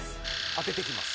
当てていきます。